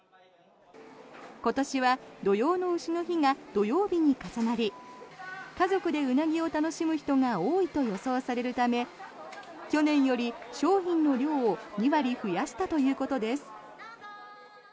今年は土用の丑の日が土曜日に重なり家族でウナギを楽しむ人が多いと予想されるため去年より商品の量を２割増やしたということです。